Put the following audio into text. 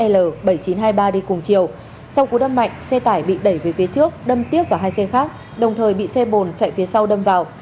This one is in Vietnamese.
l bảy nghìn chín trăm hai mươi ba đi cùng chiều sau cú đâm mạnh xe tải bị đẩy về phía trước đâm tiếp vào hai xe khác đồng thời bị xe bồn chạy phía sau đâm vào